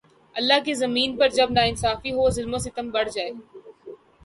اللہ کی زمین پر جب ناانصافی ہو ، ظلم و ستم بڑھ جائے